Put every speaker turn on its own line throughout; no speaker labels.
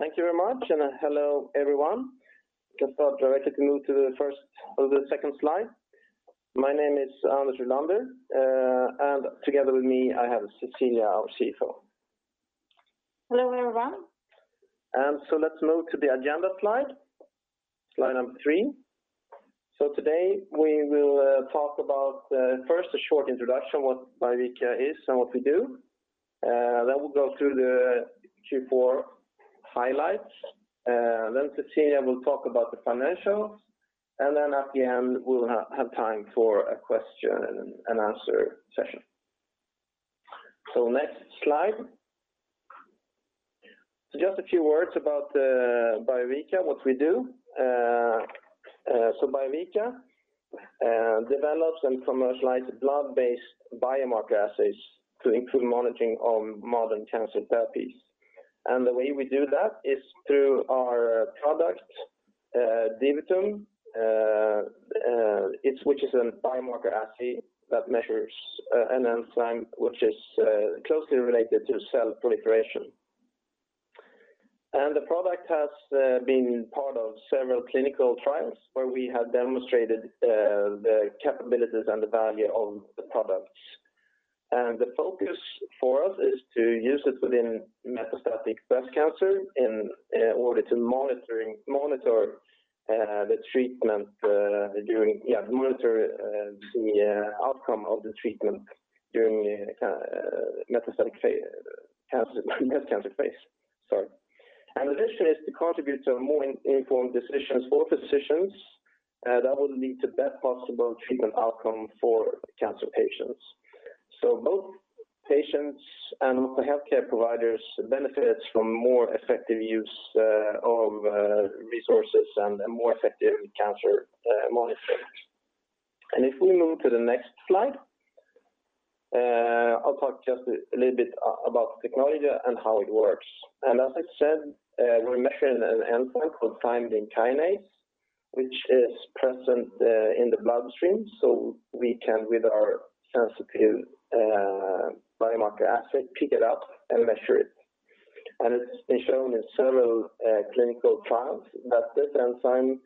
Thank you very much, and hello everyone. Just thought directly move to the second slide. My name is Anders Rylander, and together with me, I have Cecilia Driving. Hello, everyone. Let's move to the agenda slide number three. Today we will talk about first a short introduction, what Biovica is and what we do. We'll go through the Q4 highlights. Cecilia will talk about the financials, and then at the end, we'll have time for a question and answer session. Next slide. Just a few words about Biovica, what we do. Biovica develops and commercializes blood-based biomarker assays to improve monitoring of modern cancer therapies. The way we do that is through our product, DiviTum, which is a biomarker assay that measures an enzyme, which is closely related to cell proliferation. The product has been part of several clinical trials where we have demonstrated the capabilities and the value of the product. The focus for us is to use it within metastatic breast cancer in order to monitor the outcome of the treatment during metastatic breast cancer phase. Sorry. This is to contribute to more informed decisions for physicians that will lead to best possible treatment outcome for cancer patients. Both patients and healthcare providers benefit from more effective use of resources and more effective cancer monitoring. If we move to the next slide, I'll talk just a little bit about the technology and how it works. As I said, we're measuring an enzyme called thymidine kinase, which is present in the bloodstream. We can, with our sensitive biomarker assay, pick it up and measure it. It's been shown in several clinical trials that this enzyme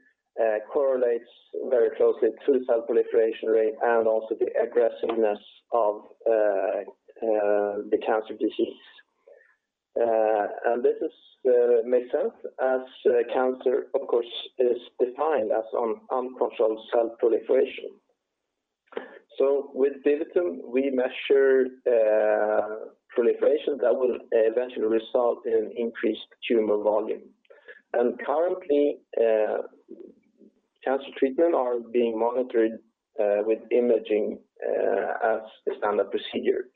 correlates very closely to the cell proliferation rate and also the aggressiveness of the cancer disease. This makes sense as cancer, of course, is defined as uncontrolled cell proliferation. With DiviTum, we measure proliferation that will eventually result in increased tumor volume. Currently, cancer treatment are being monitored with imaging as the standard procedure.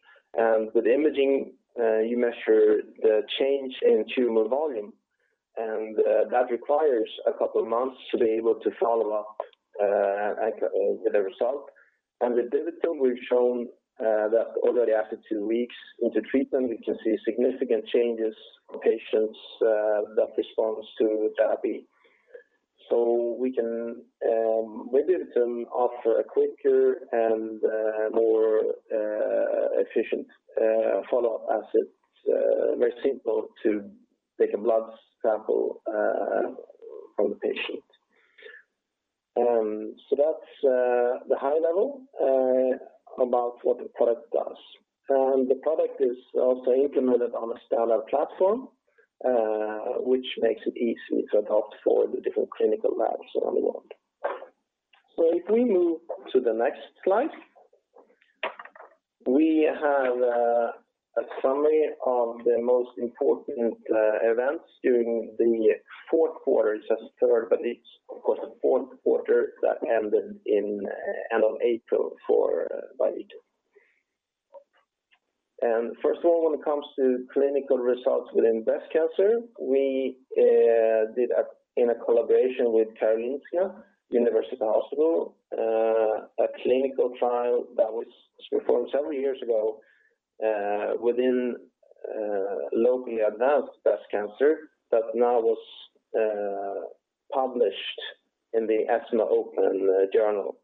With imaging, you measure the change in tumor volume, and that requires a couple of months to be able to follow up with the result. With DiviTum, we've shown that already after two weeks into treatment, we can see significant changes in patients that responds to the therapy. We can, with DiviTum, offer a quicker and more efficient follow-up assay. Very simple to take a blood sample from the patient. That's the high level about what the product does. The product is also implemented on a standard platform, which makes it easy to adopt for the different clinical labs around the world. If we move to the next slide, we have a summary of the most important events during the fourth quarter. It says third, but it's, of course, the fourth quarter that ended in April for Biovica. First of all, when it comes to clinical results within breast cancer, we did, in a collaboration with Karolinska University Hospital, a clinical trial that was performed several years ago within locally advanced breast cancer that now was published in the ESMO Open journal.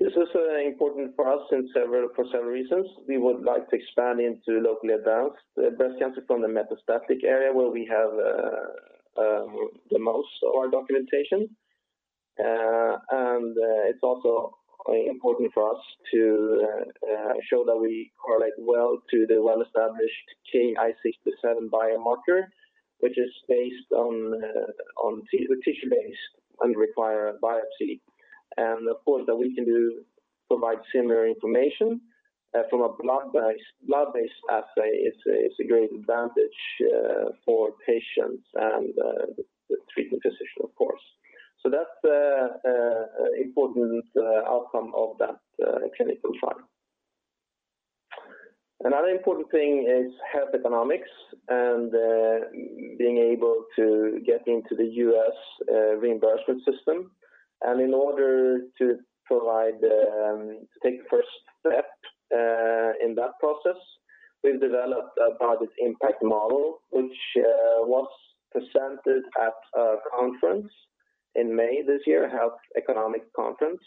This is important for us for several reasons. We would like to expand into locally advanced breast cancer from the metastatic area where we have the most of our documentation. It's also important for us to show that we correlate well to the well-established KI67 biomarker, which is based on tissue-based and require a biopsy. Of course, that we can provide similar information from a blood-based assay is a great advantage for patients and the treating physician, of course. That's an important outcome of that clinical trial. Another important thing is health economics and being able to get into the U.S. reimbursement system. In order to take the first step in that process, we've developed a budget impact model, which was presented at a conference in May this year, health economic conference.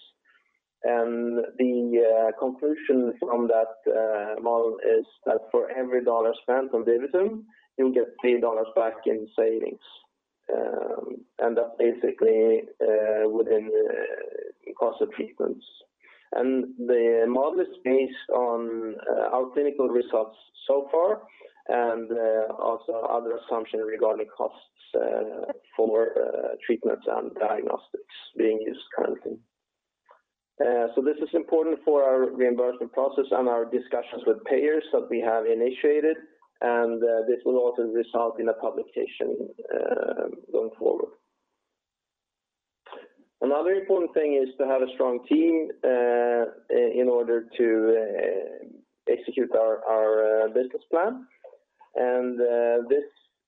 The conclusion from that model is that for every dollar spent on DiviTum, you'll get $3 back in savings. That's basically within the cost of treatments. The model is based on our clinical results so far, and also other assumptions regarding costs for treatments and diagnostics being used currently. This is important for our reimbursement process and our discussions with payers that we have initiated, and this will also result in a publication going forward. Another important thing is to have a strong team in order to execute our business plan. This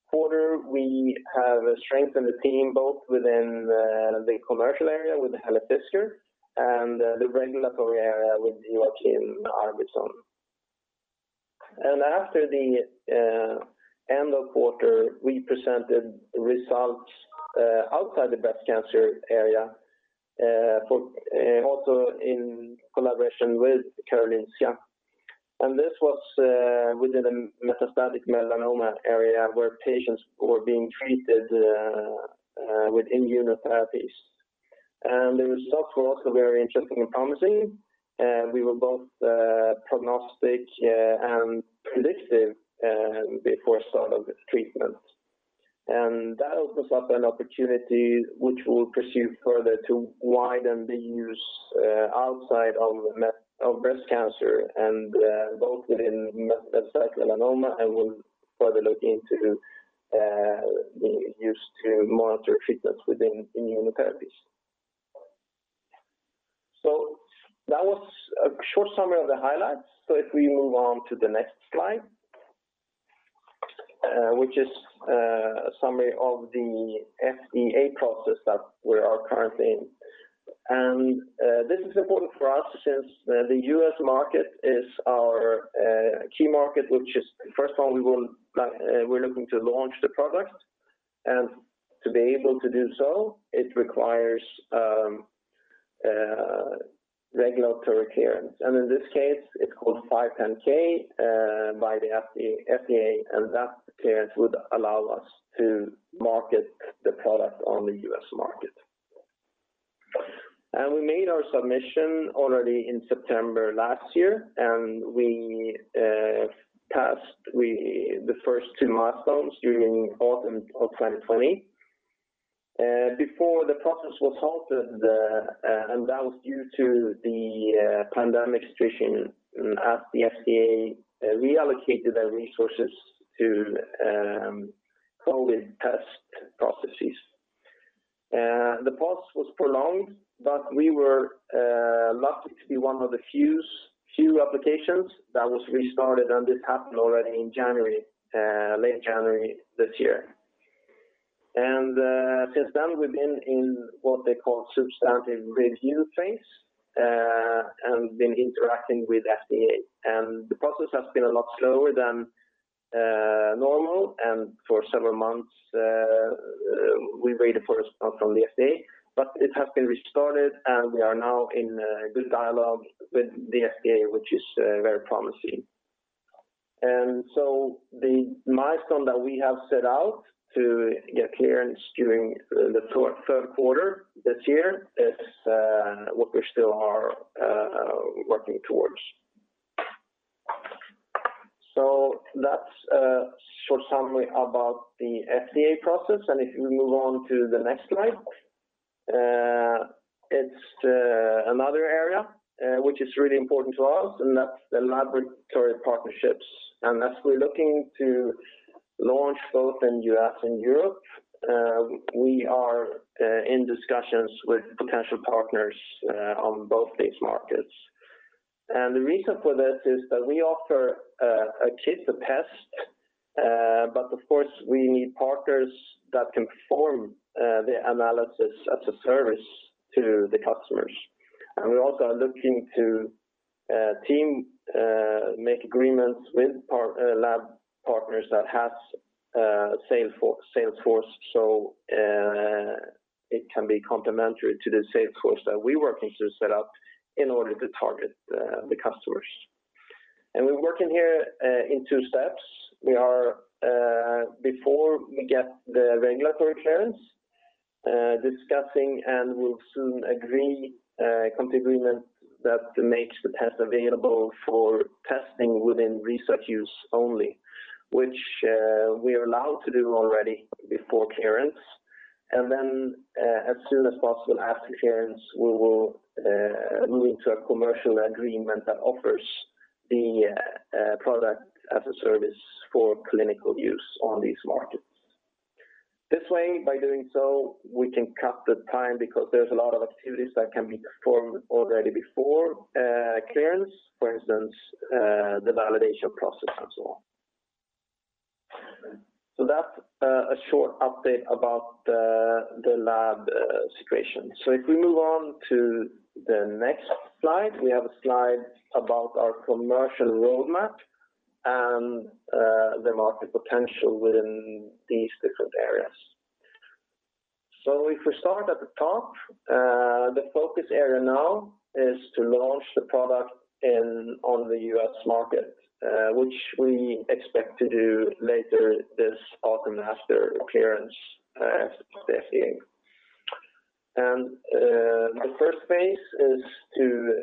quarter, we have strengthened the team both within the commercial area with Helle Fisker and the regulatory area with Joakim Arwidson. After the end of quarter, we presented results outside the breast cancer area, also in collaboration with Karolinska. This was within the metastatic melanoma area, where patients were being treated with immunotherapies. The results were also very interesting and promising. We were both prognostic and predictive before start of treatment. That opens up an opportunity, which we'll pursue further to widen the use outside of breast cancer and both within metastatic melanoma and we'll further look into the use to monitor treatments within immunotherapies. That was a short summary of the highlights. If we move on to the next slide, which is a summary of the FDA process that we are currently in. This is important for us since the U.S. market is our key market, which is, first of all, we're looking to launch the product. To be able to do so, it requires regulatory clearance. In this case, it's called 510 by the FDA, and that clearance would allow us to market the product on the U.S. market. We made our submission already in September last year, and we passed the first two milestones during autumn of 2020. Before the process was halted, and that was due to the pandemic situation as the FDA reallocated their resources to COVID test processes. The pause was prolonged, but we were lucky to be one of the few applications that was restarted, and this happened already in late January this year. Since then, we've been in what they call substantive review phase and been interacting with FDA. The process has been a lot slower than normal. For several months, we waited for a response from the FDA, but it has been restarted, and we are now in a good dialogue with the FDA, which is very promising. The milestone that we have set out to get clearance during the third quarter this year is what we still are working towards. That's a short summary about the FDA process. If we move on to the next slide. It's another area which is really important to us, and that's the laboratory partnerships. As we're looking to launch both in U.S. and Europe, we are in discussions with potential partners on both these markets. The reason for this is that we offer a kit, a test, but of course, we need partners that can perform the analysis as a service to the customers. We also are looking to make agreements with lab partners that have a sales force so it can be complementary to the sales force that we're working to set up in order to target the customers. We're working here in two steps. Before we get the regulatory clearance, discussing and will soon come to agreement that makes the test available for testing within research use only, which we are allowed to do already before clearance. Then, as soon as possible after clearance, we will move into a commercial agreement that offers the product as a service for clinical use on these markets. This way, by doing so, we can cut the time because there's a lot of activities that can be performed already before clearance, for instance, the validation process and so on. That's a short update about the lab situation. If we move on to the next slide, we have a slide about our commercial roadmap and the market potential within these different areas. If we start at the top, the focus area now is to launch the product on the U.S. market, which we expect to do later this autumn after appearance at ESMO. The first phase is to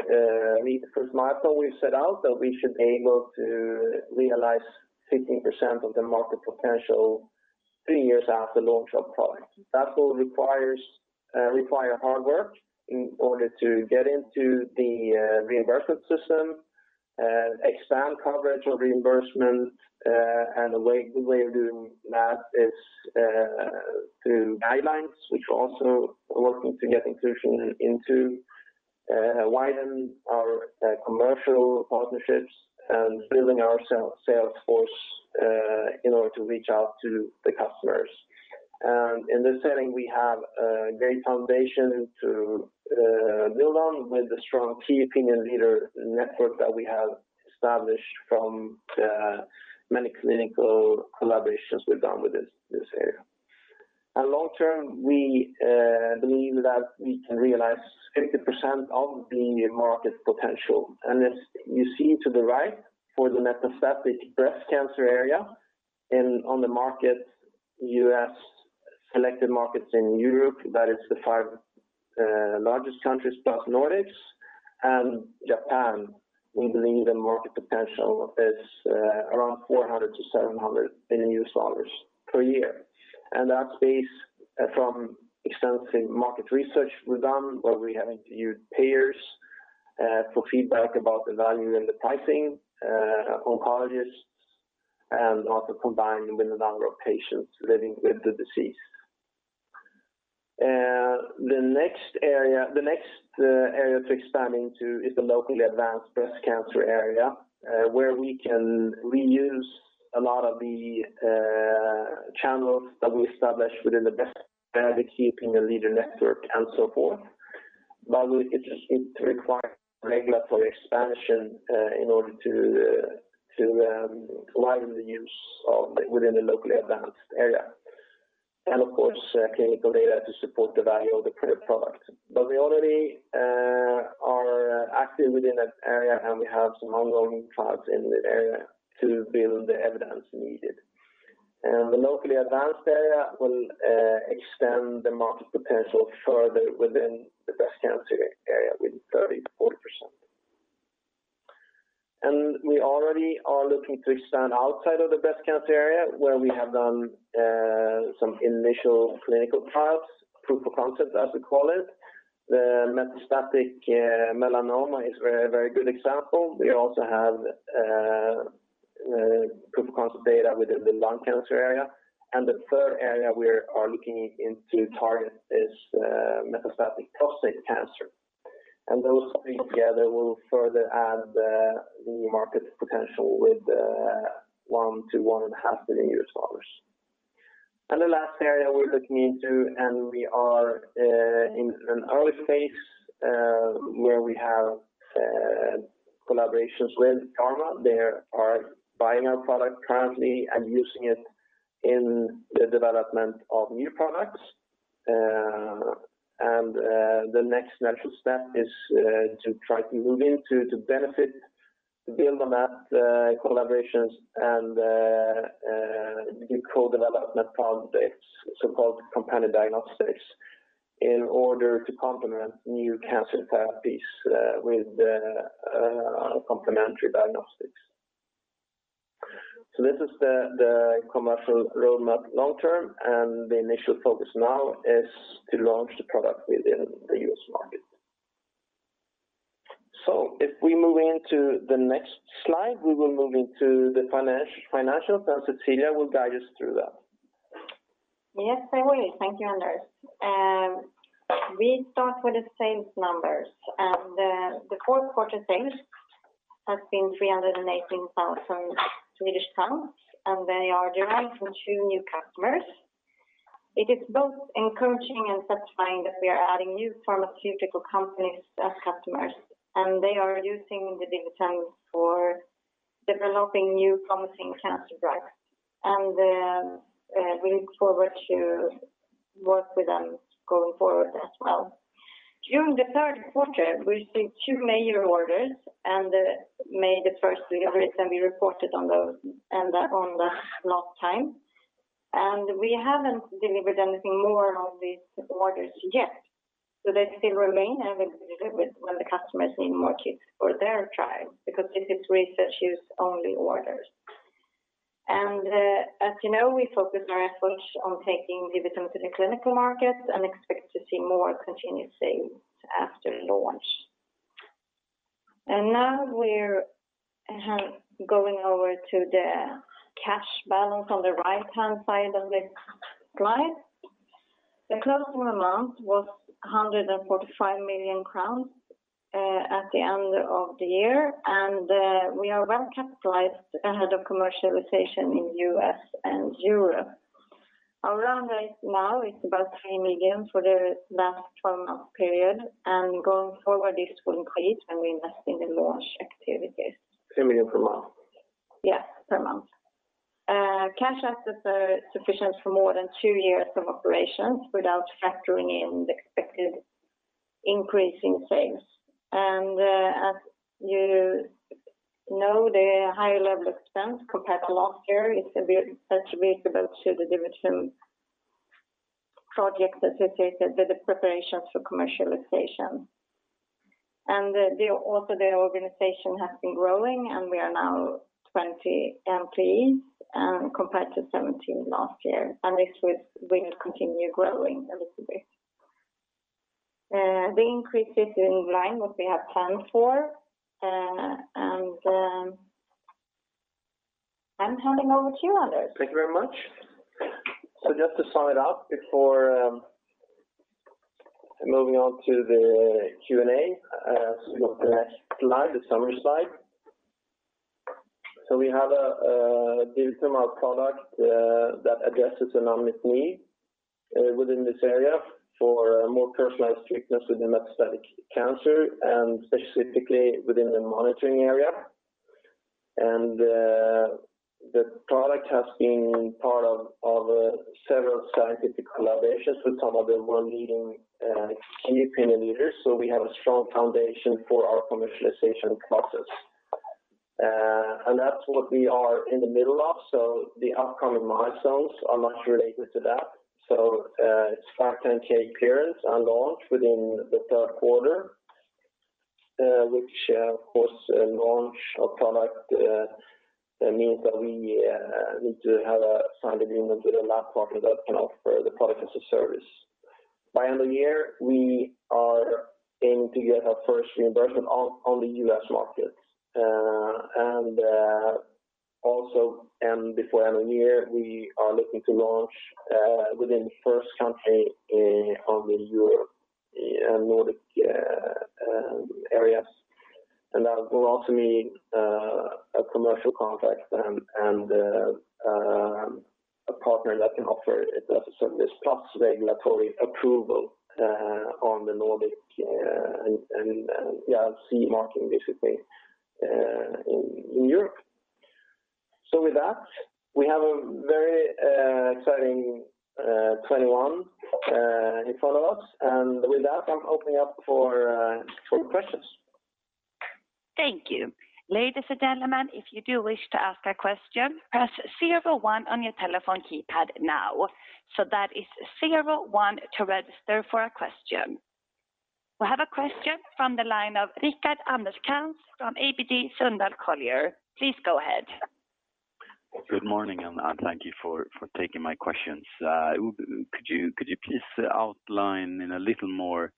meet the first milestone we've set out, that we should be able to realize 15% of the market potential three years after launch of product. That will require hard work in order to get into the reimbursement system and expand coverage of reimbursement. A good way of doing that is through guidelines, which also we're working to get inclusion into, widen our commercial partnerships, and building our sales force in order to reach out to the customers. In this setting, we have a great foundation to build on with the strong key opinion leader network that we have established from the many clinical collaborations we've done with this area. Long term, we believe that we can realize 50% of the market potential. As you see to the right, for the metastatic breast cancer area on the market, U.S., selected markets in Europe, that is the five largest countries plus Nordics and Japan, we believe the market potential is around $400 million-$700 million per year. That's based from extensive market research we've done, where we have interviewed payers for feedback about the value and the pricing, oncologists, and also combined with the number of patients living with the disease. The next area to expand into is the locally advanced breast cancer area, where we can reuse a lot of the channels that we established within the breast opinion leader network and so forth. It just requires regulatory expansion in order to widen the use within the locally advanced area. Of course, clinical data to support the value of the product. We already are active within that area, and we have some ongoing trials in the area to build the evidence needed. The locally advanced area will extend the market potential further within the breast cancer area with 30%-40%. We already are looking to expand outside of the breast cancer area where we have done some initial clinical trials, proof of concept, as we call it. The metastatic melanoma is a very good example. We also have proof of concept data within the lung cancer area. The third area we are looking into target is metastatic prostate cancer. Those three together will further add the market potential with $1 billion-$1.5 billion. The last area we're looking into, and we are in an early phase, where we have collaborations with pharma. They are buying our product currently and using it in the development of new products. The next natural step is to try to move into to benefit, to build on that collaborations and do co-development projects, so-called companion diagnostics, in order to complement new cancer therapies with complementary diagnostics. This is the commercial roadmap long term, and the initial focus now is to launch the product within the U.S. market. If we move into the next slide, we will move into the financials, and Cecilia will guide us through that.
Yes, I will. Thank you, Anders. We start with the sales numbers. The fourth quarter sales has been 318,000, and they are derived from two new customers. It is both encouraging and satisfying that we are adding new pharmaceutical companies as customers, and they are using the DiviTum TKa for developing new promising cancer drugs. We look forward to work with them going forward as well. During the third quarter, we received two major orders and made the first delivery can be reported on those and on the last time. We haven't delivered anything more of these orders yet, so they still remain having to deliver when the customers need more kits for their trial, because this is Research Use Only orders. As you know, we focus our efforts on taking DiviTum TKa to the clinical market and expect to see more continuous sales after launch. Now we're going over to the cash balance on the right-hand side of this slide. The closing amount was 145 million crowns at the end of the year, and we are well capitalized ahead of commercialization in the U.S. and Europe. Our run rate now is about 3 million for the last 12-month period, and going forward, this will increase when we invest in the launch activities.
3 million per month?
Yes, per month. Cash assets are sufficient for more than two years of operations without factoring in the expected increase in sales. As you know, the higher level expense compared to last year is attributable to the DiviTum projects associated with the preparation for commercialization. Also the organization has been growing, and we are now 20 employees, compared to 17 last year. This will continue growing a little bit. The increase is in line what we have planned for. I'm handing over to you, Anders.
Thank you very much. Just to sum it up before moving on to the Q&A. The next slide, the summary slide. We have a DiviTum product that addresses an unmet need within this area for more personalized treatment within metastatic cancer and specifically within the monitoring area. The product has been part of several scientific collaborations with some of the world leading key opinion leaders, so we have a strong foundation for our commercialization process. That's what we are in the middle of, so the upcoming milestones are much related to that. It's 510(k) clearance and launch within the third quarter, which of course, launch of product, means that we need to have a signed agreement with a lab partner that can offer the product as a service. By end of year, we are aiming to get our first reimbursement on the U.S. market. Also, before end of year, we are looking to launch within the first country of the Europe and Nordic areas. That will also need a commercial contract and a partner that can offer a service plus regulatory approval on the Nordic and CE marking basically in Europe. With that, we have a very exciting 2021 in front of us. With that, I'm opening up for questions.
Thank you. Ladies and gentlemen, if you do wish to ask a question, press zero, one on your telephone keypad now. That is zero, one to register for a question. We have a question from the line of Rickard Anderkrans from ABG Sundal Collier. Please go ahead.
Good morning, and thank you for taking my questions. Could you please outline in a little more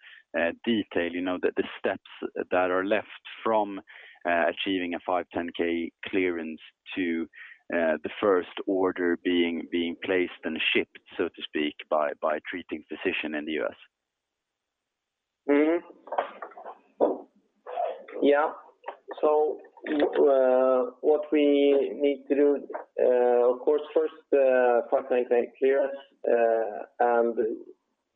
detail, the steps that are left from achieving a 510(k) clearance to the first order being placed and shipped, so to speak, by a treating physician in the U.S.?
what we need to do, of course first, 510(k) clearance, and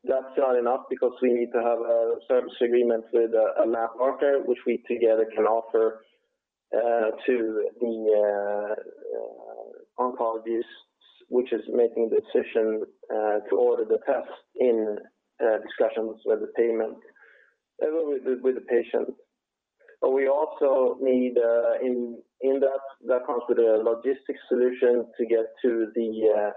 that's not enough because we need to have a service agreement with a lab partner, which we together can offer to the oncologists, which is making the decision to order the test in discussions with the patient. we also need in that comes with a logistics solution to get to the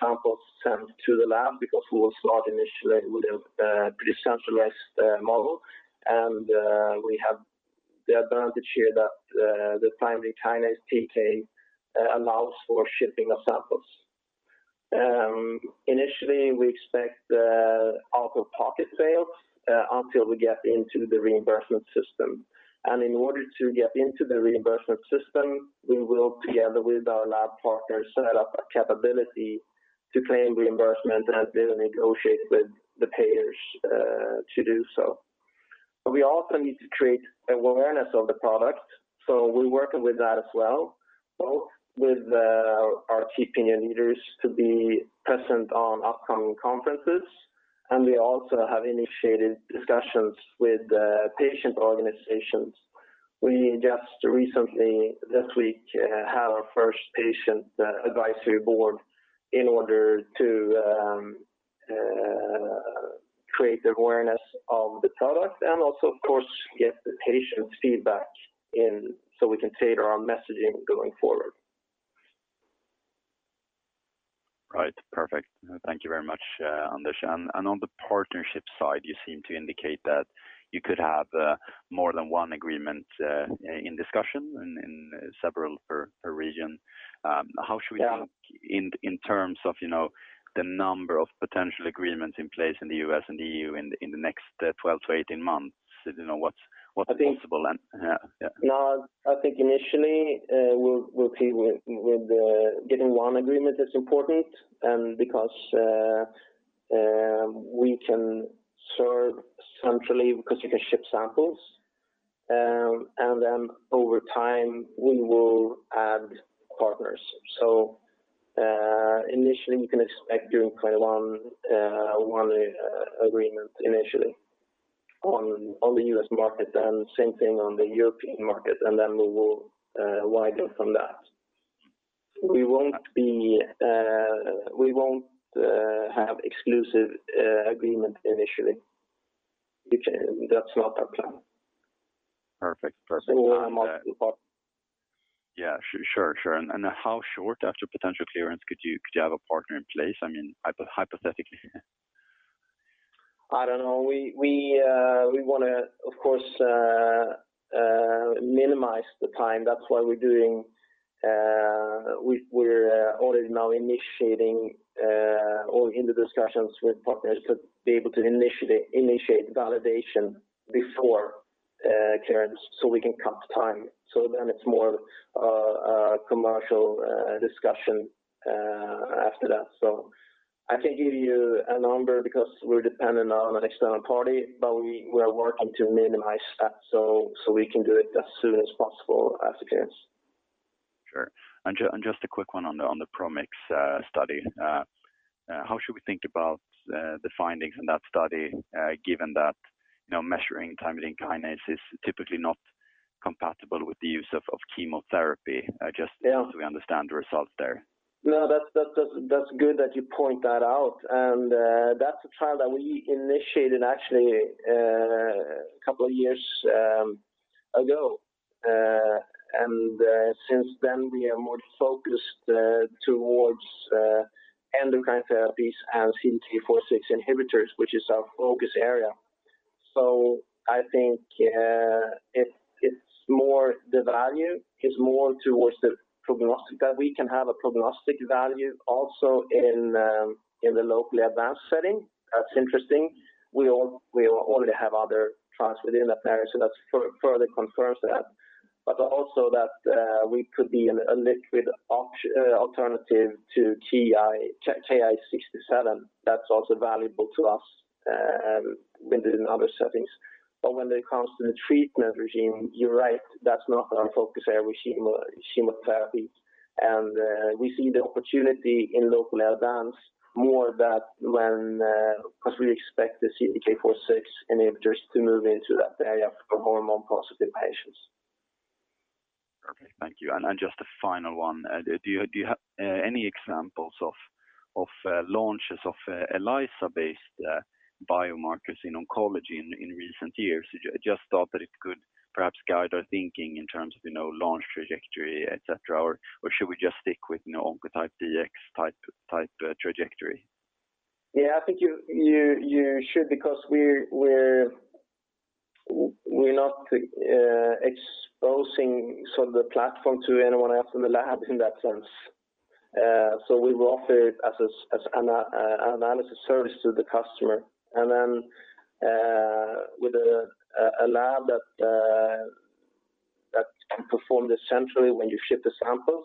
samples sent to the lab because we will start initially with a pretty centralized model. we have the advantage here that the timing, thymidine kinase allows for shipping of samples. Initially, we expect out-of-pocket sales, until we get into the reimbursement system. in order to get into the reimbursement system, we will, together with our lab partners, set up a capability to claim reimbursement and then negotiate with the payers to do so. We also need to create awareness of the product, so we're working with that as well, both with our key opinion leaders to be present on upcoming conferences. We also have initiated discussions with patient organizations. We just recently this week had our first patient advisory board in order to create the awareness of the product and also, of course, get the patient's feedback in so we can tailor our messaging going forward.
Right. Perfect. Thank you very much, Anders. On the partnership side, you seem to indicate that you could have more than one agreement in discussion and several per region. How should we think in terms of the number of potential agreements in place in the U.S. and E.U. in the next 12 to 18 months, what's possible and yeah?
No, I think initially, we'll see with getting one agreement is important, because we can serve centrally because you can ship samples. Over time, we will add partners. Initially, you can expect during 2021, one agreement initially. On the U.S. market, and same thing on the European market, and then we will widen from that. We won't have exclusive agreement initially. That's not our plan.
Perfect.
We'll have multiple partners.
Yeah. Sure. How short after potential clearance could you have a partner in place? Hypothetically.
I don't know. We want to, of course, minimize the time. That's why we're already now initiating or in the discussions with partners to be able to initiate validation before clearance so we can cut time. It's more a commercial discussion after that. I can't give you a number because we're dependent on an external party, but we are working to minimize that so we can do it as soon as possible after clearance.
Sure. Just a quick one on the PROMIX study. How should we think about the findings in that study, given that measuring thymidine kinase is typically not compatible with the use of chemotherapy? Just so we understand the results there.
No, that's good that you point that out. that's a trial that we initiated actually, a couple of years ago. since then, we are more focused towards endocrine therapies and CDK4/6 inhibitors, which is our focus area. I think the value is more towards the prognostic, that we can have a prognostic value also in the locally advanced setting. That's interesting. We already have other trials within that area, so that further confirms that. also that we could be a liquid alternative to KI67. That's also valuable to us within other settings. when it comes to the treatment regime, you're right, that's not our focus area, chemotherapy. we see the opportunity in locally advanced more that when, because we expect the CDK4/6 inhibitors to move into that area for hormone-positive patients.
Perfect. Thank you. Just a final one. Do you have any examples of launches of ELISA-based biomarkers in oncology in recent years? I just thought that it could perhaps guide our thinking in terms of launch trajectory, et cetera, or should we just stick with Oncotype DX type trajectory?
Yeah, I think you should because we're not exposing the platform to anyone else in the lab in that sense. We will offer it as an analysis service to the customer. With a lab that can perform this centrally, when you ship the samples,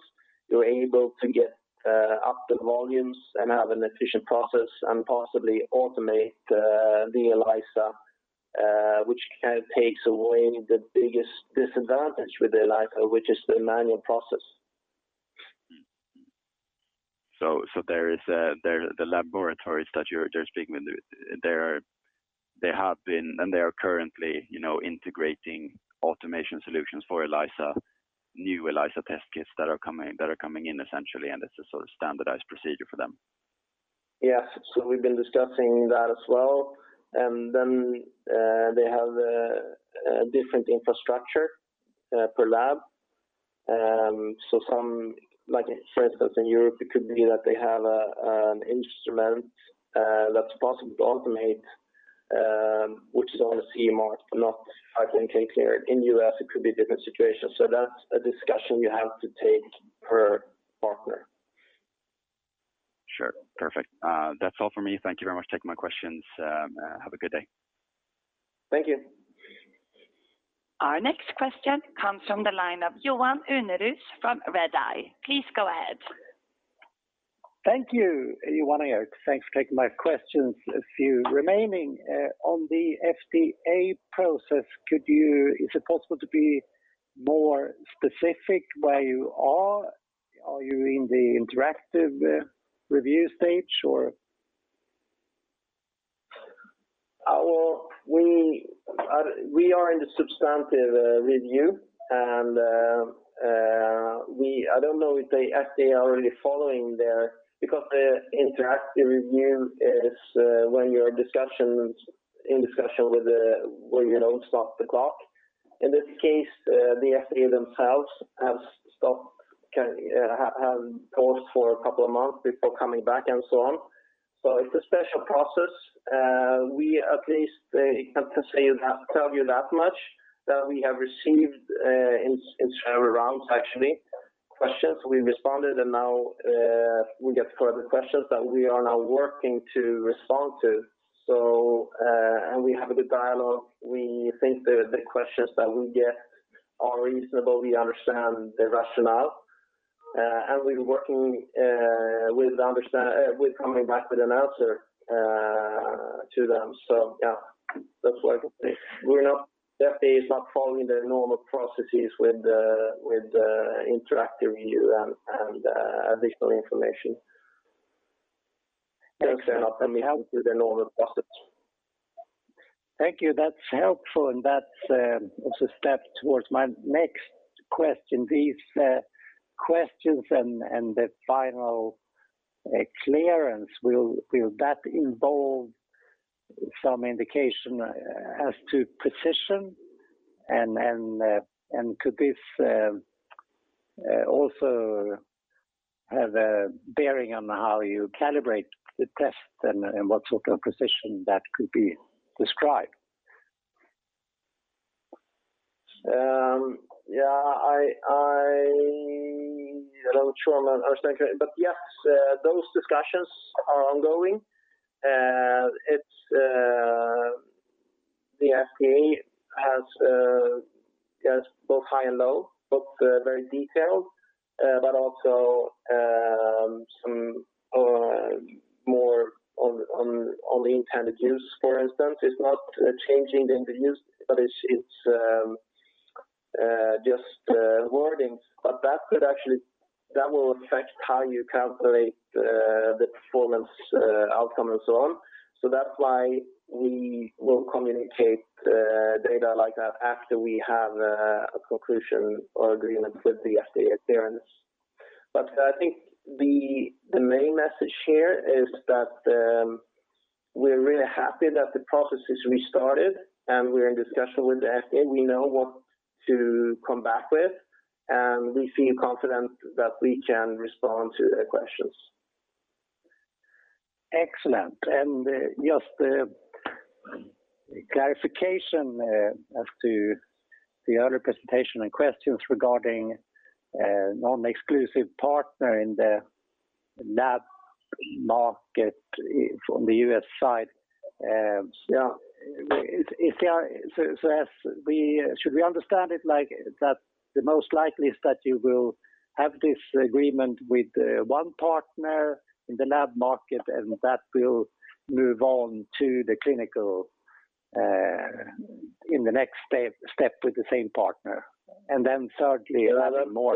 you're able to get up the volumes and have an efficient process and possibly automate the ELISA, which takes away the biggest disadvantage with ELISA, which is the manual process.
There is the laboratories that you're speaking with. They have been, and they are currently integrating automation solutions for new ELISA test kits that are coming in, essentially, and it's a sort of standardized procedure for them.
Yes. We've been discussing that as well. They have a different infrastructure per lab. Some, for instance, in Europe, it could be that they have an instrument that's possible to automate, which is only CE marked but not FDA cleared. In U.S., it could be a different situation. That's a discussion you have to take per partner.
Sure. Perfect. That's all from me. Thank you very much for taking my questions. Have a good day.
Thank you.
Our next question comes from the line of Johan Unnerus from Redeye. Please go ahead.
Thank you, Johan Unnerus. Thanks for taking my questions, a few remaining. On the FDA process, is it possible to be more specific where you are? Are you in the interactive review stage, or?
We are in the substantive review. I don't know if they are already following there, because the interactive review is when you're in discussion with the where you don't stop the clock. In this case, the FDA themselves have paused for a couple of months before coming back and so on. It's a special process. We at least can tell you that much, that we have received in several rounds actually, questions. We responded, and now we get further questions that we are now working to respond to. We have a good dialogue. We think the questions that we get are reasonable. We understand the rationale. We're working with coming back with an answer to them. Yeah. That's why FDA is not following the normal processes with interactive review and additional information. Thanks, and we hope to the normal process.
Thank you. That's helpful, and that's also a step towards my next question. These questions and the final clearance, will that involve some indication as to precision, and could this also have a bearing on how you calibrate the test and what sort of precision that could be described?
Yeah. I'm not sure I understand, but yes, those discussions are ongoing. The FDA has both high and low, both very detailed, but also some more on the intended use, for instance. It's not changing the intended use, but it's just wordings. That will affect how you calculate the performance outcome and so on. That's why we will communicate data like that after we have a conclusion or agreement with the FDA clearance. I think the main message here is that we're really happy that the process is restarted, and we're in discussion with the FDA. We know what to come back with, and we feel confident that we can respond to their questions.
Excellent. Just the clarification as to the other presentation and questions regarding non-exclusive partner in the lab market from the US side.
Yeah.
Should we understand it like that the most likely is that you will have this agreement with one partner in the lab market, and that will move on to the clinical in the next step with the same partner, and then thirdly, adding more?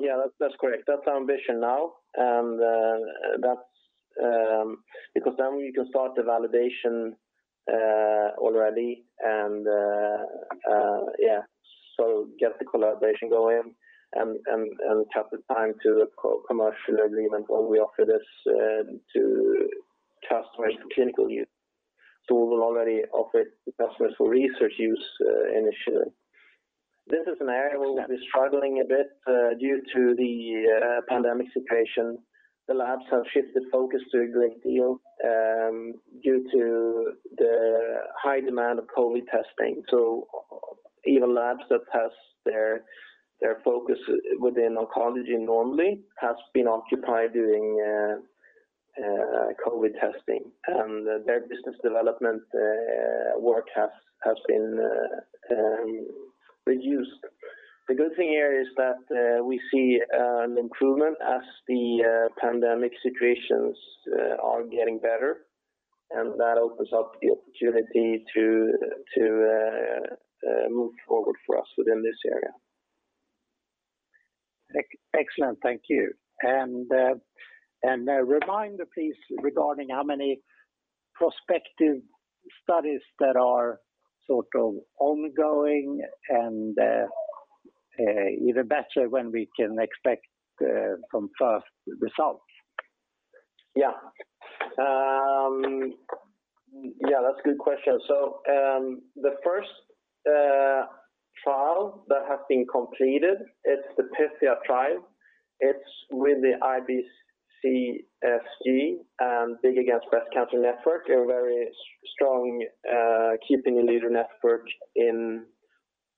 Yeah, that's correct. That's our ambition now. Because then we can start the validation already and get the collaboration going and cut the time to the commercial agreement when we offer this to customers for clinical use. we will already offer it to customers for research use initially. This is an area we've been struggling a bit due to the pandemic situation. The labs have shifted focus to a great deal due to the high demand of COVID testing. even labs that have their focus within oncology normally have been occupied doing COVID testing, and their business development work has been reduced. The good thing here is that we see an improvement as the pandemic situations are getting better, and that opens up the opportunity to move forward for us within this area.
Excellent, thank you. A reminder, please, regarding how many prospective studies that are sort of ongoing and, even better, when we can expect some first results.
Yeah. That's a good question. The first trial that has been completed, it's the PYTHIA trial. It's with the IBCSG, Big Against Breast Cancer network, a very strong, key opinion leader network in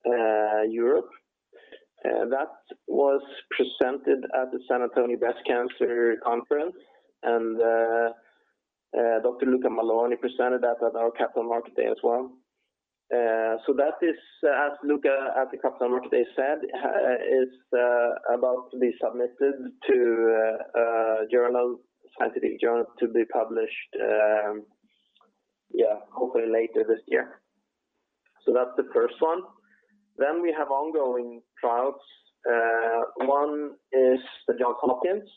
Europe. That was presented at the San Antonio Breast Cancer conference, and Dr. Luca Malorni presented that at our Capital Market Day as well. That is, as Luca at the Capital Market Day said, is about to be submitted to a scientific journal to be published, hopefully later this year. That's the first one. We have ongoing trials. One is the Johns Hopkins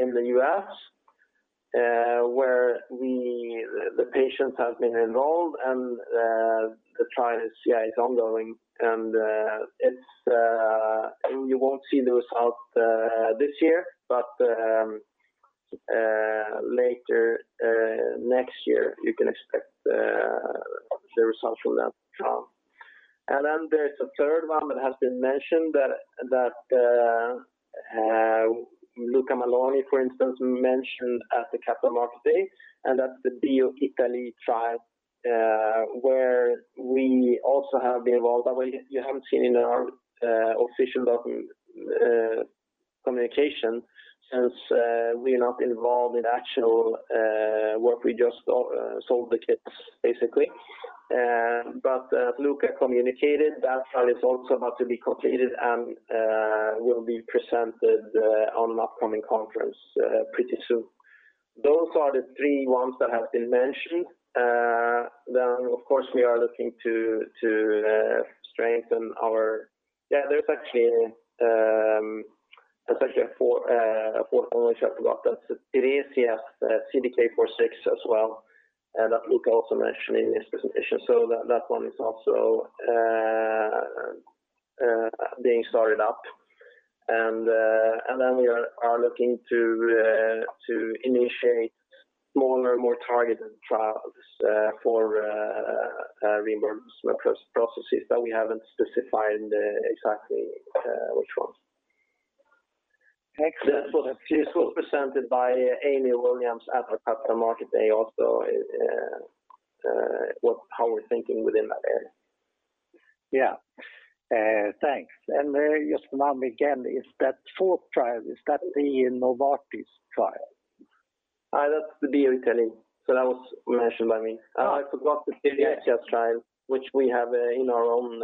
in the U.S., where the patients have been enrolled, and the trial is ongoing. You won't see the results this year, but later next year, you can expect the results from that trial. there's a third one that has been mentioned, that Luca Malorni, for instance, mentioned at the Capital Market Day, and that's the BioItaLEE trial, where we also have been involved. You haven't seen in our official documentation since we are not involved in actual work. We just sold the kits, basically. As Luca communicated, that trial is also about to be completed and will be presented on an upcoming conference pretty soon. Those are the three ones that have been mentioned. There's actually a fourth one which I forgot. It is CDK4/6 as well, that Luca also mentioned in his presentation. That one is also being started up. We are looking to initiate smaller, more targeted trials for reimbursement processes, but we haven't specified exactly which ones.
Excellent.
Which was presented by Amy Williams at the Capital Market Day also, how we're thinking within that area.
Yeah. Thanks. Just one again, is that fourth trial, is that the Novartis trial?
That's the BioltaLEE trial that was mentioned by me. I forgot the Syndeo trial, which we have in our own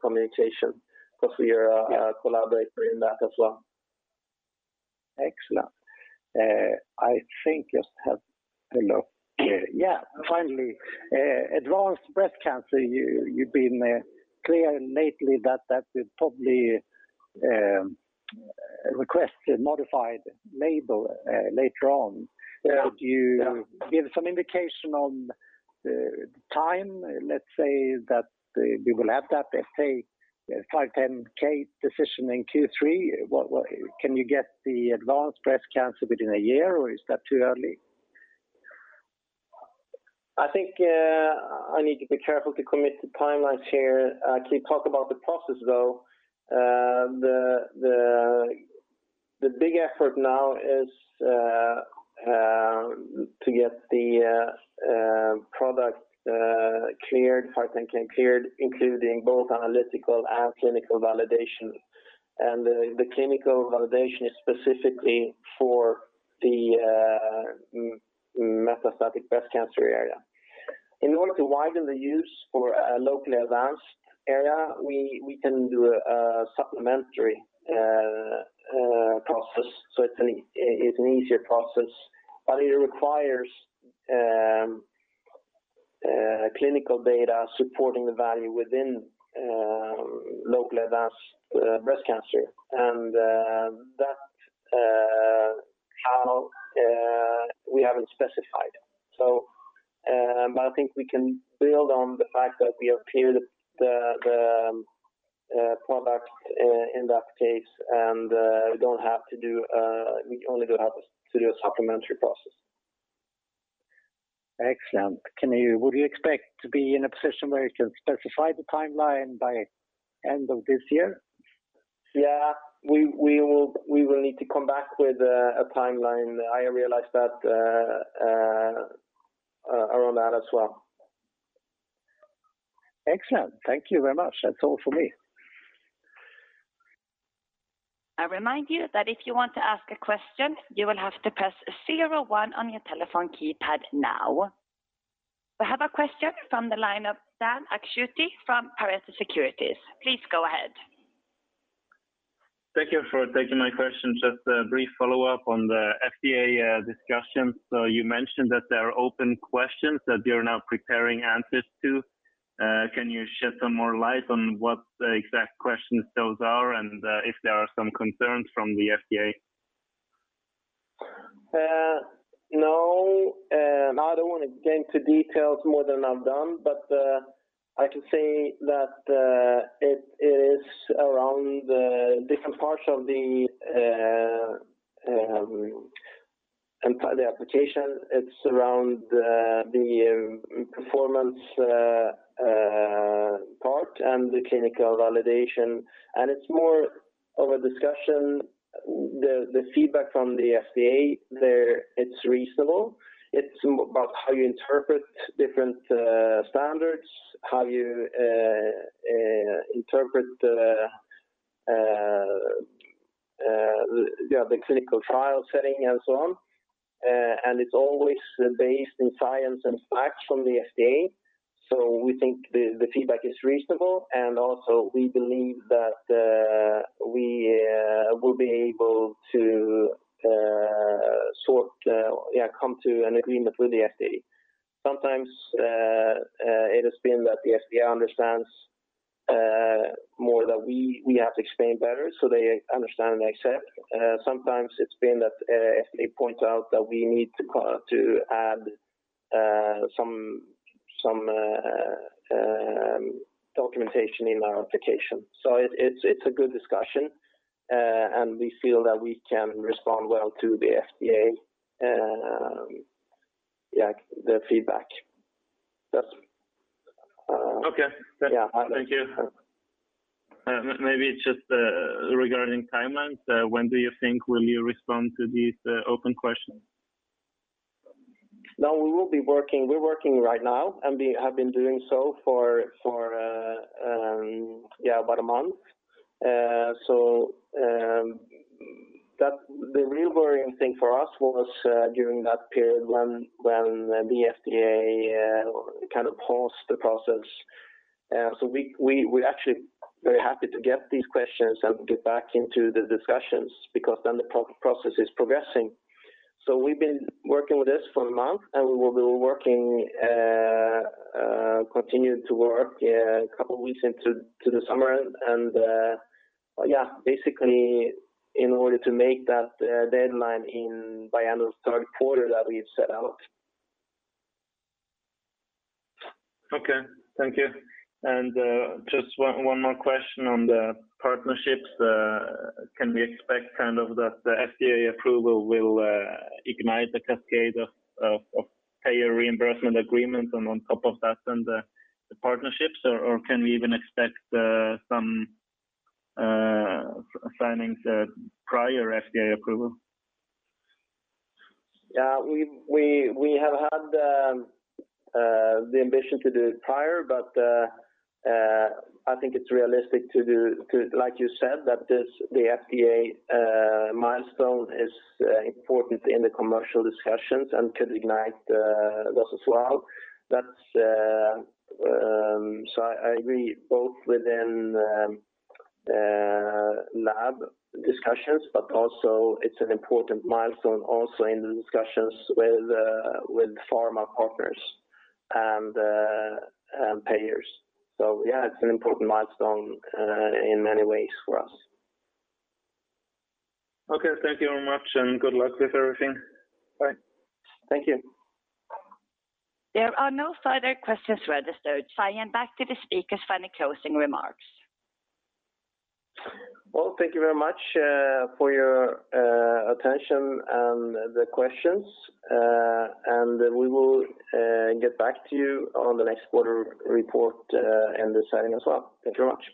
communication, because we are a collaborator in that as well.
Excellent. I think just have a look. Yeah. Finally, advanced breast cancer, you've been clear lately that we'd probably request a modified label later on.
Yeah.
Could you give some indication on the time, let's say that we will have that 510 decision in Q3. Can you get the advanced breast cancer within a year, or is that too early?
I think I need to be careful to commit to timelines here. I can talk about the process, though. The big effort now is to get the product cleared, 510 cleared, including both analytical and clinical validation. The clinical validation is specifically for the metastatic breast cancer area. In order to widen the use for locally advanced area, we can do a supplementary process. It's an easier process. It requires clinical data supporting the value within locally advanced breast cancer. That trial we haven't specified. I think we can build on the fact that we have cleared the product in that case, and we only do have to do a supplementary process.
Excellent. Would you expect to be in a position where you can specify the timeline by end of this year?
Yeah, we will need to come back with a timeline. I realize that around that as well.
Excellent. Thank you very much. That's all for me.
I remind you that if you want to ask a question, you will have to press zero, one, on your telephone keypad now. We have a question from the line of Dan Akschuti from Pareto Securities. Please go ahead.
Thank you for taking my question. Just a brief follow-up on the FDA discussion. You mentioned that there are open questions that you're now preparing answers to. Can you shed some more light on what the exact questions those are, and if there are some concerns from the FDA?
No. I don't want to get into details more than I've done, but I can say that it is around different parts of the entire application. It's around the performance part and the clinical validation, and it's more of a discussion. The feedback from the FDA, it's reasonable. It's about how you interpret different standards, how you interpret the clinical trial setting, and so on. It's always based in science and facts from the FDA. We think the feedback is reasonable, and also, we believe that we will be able to come to an agreement with the FDA. Sometimes it has been that the FDA understands more that we have to explain better, so they understand and accept. Sometimes it's been that FDA points out that we need to add some documentation in our application. It's a good discussion, and we feel that we can respond well to the FDA, their feedback.
Okay. Thank you. Maybe just regarding timelines, when do you think will you respond to these open questions?
We're working right now, and we have been doing so for about a month. The real worrying thing for us was during that period when the FDA kind of paused the process. We're actually very happy to get these questions and get back into the discussions because then the process is progressing. We've been working with this for a month, and we will continue to work a couple of weeks into the summer. Basically, in order to make that deadline by end of third quarter that we've set out.
Okay. Thank you. Just one more question on the partnerships. Can we expect that the FDA approval will ignite a cascade of payer reimbursement agreements and on top of that then the partnerships, or can we even expect some signings prior FDA approval?
We have had the ambition to do it prior, but I think it's realistic to do, like you said, that the FDA milestone is important in the commercial discussions and could ignite that as well. I agree, both within lab discussions, but also it's an important milestone also in the discussions with pharma partners and payers. Yeah, it's an important milestone in many ways for us.
Okay, thank you very much and good luck with everything.
Bye. Thank you.
There are no further questions registered, so I hand back to the speakers for any closing remarks.
Well, thank you very much for your attention and the questions, and we will get back to you on the next quarter report and the signing as well. Thank you very much.